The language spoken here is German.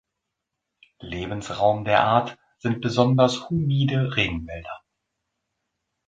Lebensraum der Art sind besonders humide Regenwälder.